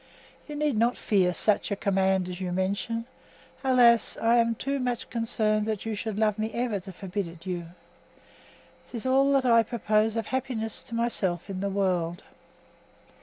You need not fear such a command as you mention. Alas! I am too much concerned that you should love me ever to forbid it you; 'tis all that I propose of happiness to myself in the world.